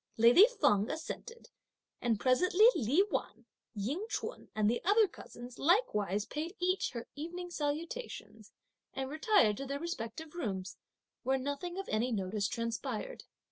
Lady Feng assented, and presently Li Wan, Ying Ch'un and the other cousins, likewise paid each her evening salutation and retired to their respective rooms, where nothing of any notice transpired.